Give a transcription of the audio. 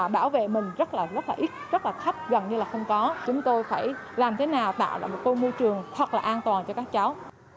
bảo vệ mình rất là rất là ít rất là thấp gần như là không có chúng tôi phải làm thế nào tạo ra một cái môi trường thật là an toàn cho các cháu